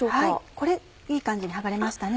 これいい感じに剥がれましたね。